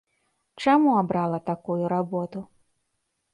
Чаму абрала такую работу?